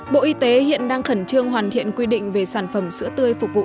bộ y tế hiện đang khẩn trương hoàn thiện quy định về sản phẩm sữa tươi phục vụ